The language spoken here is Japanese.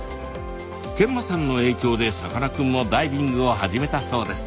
見満さんの影響でさかなクンもダイビングを始めたそうです。